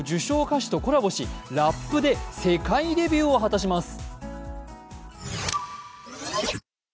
歌手とコラボしラップで世界デビューを果たします。